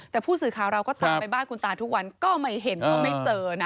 แต่ผู้สื่อข่าวเราก็ตามไปบ้านคุณตาทุกวันก็ไม่เห็นก็ไม่เจอนะ